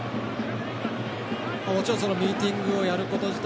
もちろんミーティングをやること自体